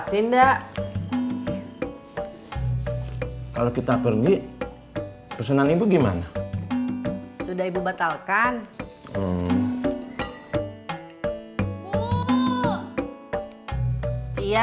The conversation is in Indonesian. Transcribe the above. sampai jumpa di video selanjutnya